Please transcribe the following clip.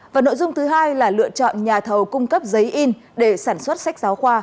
và nội dung thứ hai là lựa chọn nhà thầu cung cấp giấy in để sản xuất sách giáo khoa